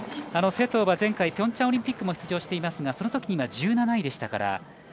勢藤はピョンチャンオリンピックにも出場していますがそのときには１７位でしたから。